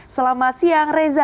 selamat siang reza